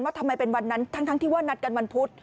ทำไมเป็นวันนั้นทั้งที่ว่านัดกันวันพุธ